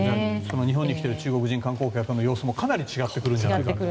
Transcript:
日本に来てる中国人観光客の姿もかなり違ってくるんじゃないかと。